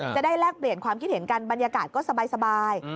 แลกเปลี่ยนความคิดเห็นกันบรรยากาศก็สบาย